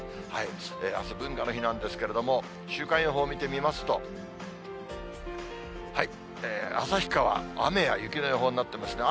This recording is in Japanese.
あす、文化の日なんですけれども、週間予報を見てみますと、旭川、雨や雪の予報になってますね。